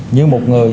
như một người